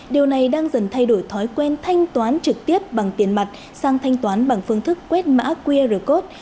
điều này đang dần thay đổi thói quen thanh toán trực tiếp bằng tiền mặt sang thanh toán bằng phương thức quét mã qr code